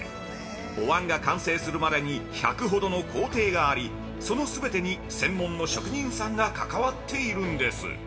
お椀が完成するまでに１００ほどの工程がありその全てに専門の職人さんがかかわっているんです。